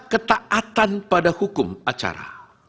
ketaatan pada hukum acara